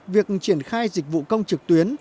việc triển khai dịch vụ công trực tuyến